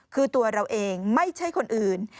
คือตัวเราเองไม่ใช่คนอื่น